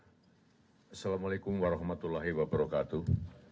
assalamu'alaikum warahmatullahi wabarakatuh